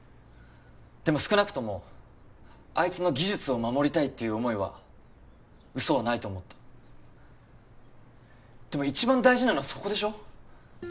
でも少なくともあいつの技術を守りたいっていう思いは嘘はないと思ったでも一番大事なのはそこでしょ？